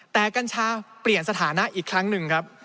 แต่กัญชาเปลี่ยนสถานะอีกครั้งหนึ่งครับ